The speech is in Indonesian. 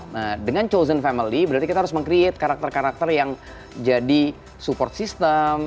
nah dengan chosen family berarti kita harus menciptakan karakter karakter yang jadi support system